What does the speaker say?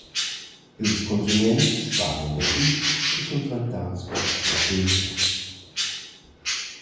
Ils consüments spargnan daplü e sun dvantats plü pretensius.